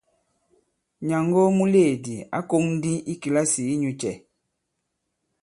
Nyàngo muleèdi ǎ kōŋ ndi i kìlasì inyū cɛ ?